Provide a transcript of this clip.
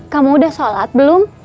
kamu udah sholat belum